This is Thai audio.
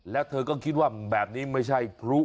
แล้วเธอก็คิดว่าแบบนี้ไม่ใช่พลุ